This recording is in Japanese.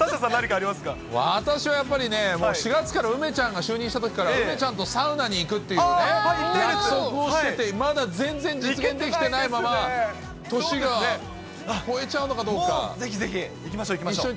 私はやっぱりね、４月から梅ちゃんが就任したときから、梅ちゃんとサウナに行くっていう約束をしてて、まだ全然実現できてないまま、もうぜひぜひ行きましょう、行きましょう。